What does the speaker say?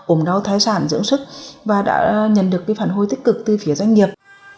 ổn đau thái sản dưỡng sức và đã nhận được phản hồi tích cực từ phía doanh nghiệp